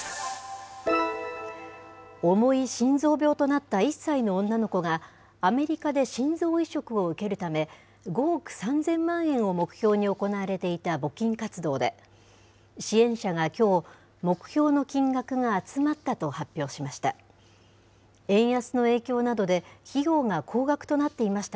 重い心臓病となった１歳の女の子が、アメリカで心臓移植を受けるため、５億３０００万円を目標に行われていた募金活動で、支援者がきょう、目標の金額が集まったと発表しました。